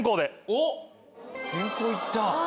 おっ先攻いった。